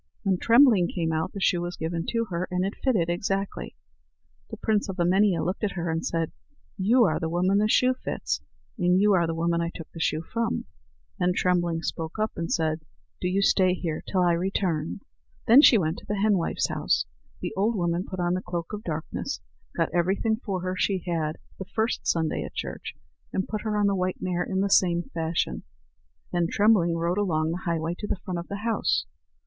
When Trembling came out, the shoe was given to her, and it fitted exactly. The prince of Emania looked at her and said: "You are the woman the shoe fits, and you are the woman I took the shoe from." Then Trembling spoke up, and said: "Do you stay here till I return." Then she went to the henwife's house. The old woman put on the cloak of darkness, got everything for her she had the first Sunday at church, and put her on the white mare in the same fashion. Then Trembling rode along the highway to the front of the house.